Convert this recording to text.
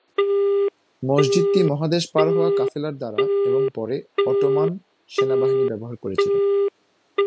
মসজিদটি মহাদেশ পার হওয়া কাফেলার দ্বারা এবং পরে অটোমান সেনাবাহিনী ব্যবহার করেছিল।